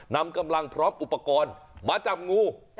นำกำลังพร้อมอุปกรณ์มาจับงู